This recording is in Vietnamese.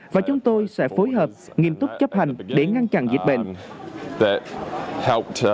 và chúng tôi sẽ phối hợp nghiêm túc chấp hành để ngăn chặn dịch bệnh